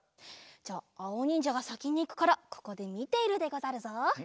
じゃあおにんじゃがさきにいくからここでみているでござるぞ！